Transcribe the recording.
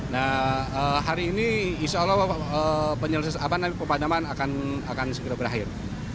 nah hari ini insya allah penyelesaian pemadaman akan segera berakhir